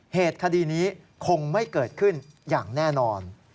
เหตุคดีนี้คงไม่เกิดขึ้นอย่างแน่นอน